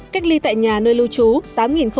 cách ly tại nhà nơi lưu trú tám tám mươi ba